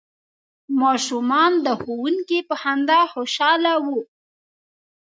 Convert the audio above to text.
ماشومان د ښوونکي په خندا خوشحاله وو.